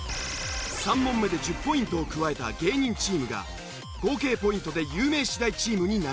３問目で１０ポイントを加えた芸人チームが合計ポイントで有名私大チームに並んだ。